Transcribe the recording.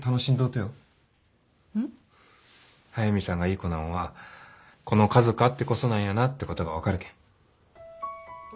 速見さんがいい子なんはこの家族あってこそなんやなってことが分かるけん。